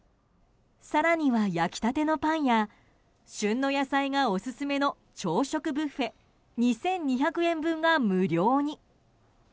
更には焼きたてのパンや旬の野菜がオススメの朝食ブッフェ２２００円分が無料に。